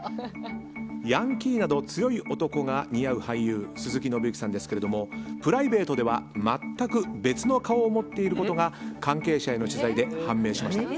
ヤンキーなど強い男が似合う俳優鈴木伸之さんですけれどもプライベートでは全く別の顔を持っていることが関係者への取材で判明しました。